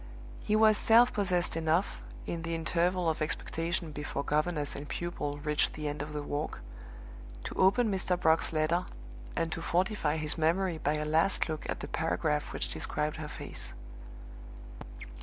He was self possessed enough, in the interval of expectation before governess and pupil reached the end of the walk, to open Mr. Brock's letter, and to fortify his memory by a last look at the paragraph which described her face.